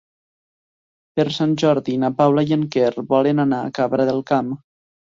Per Sant Jordi na Paula i en Quer volen anar a Cabra del Camp.